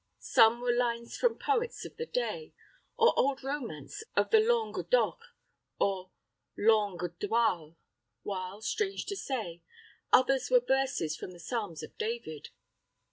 Some were lines from poets of the day, or old romances of the Langue d'oc, or Langue d'oil, while, strange to say, others were verses from the Psalms of David.